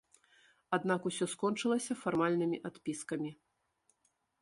Аднак усё скончылася фармальнымі адпіскамі.